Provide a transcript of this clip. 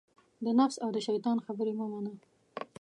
د نفس او دشیطان خبرې مه منه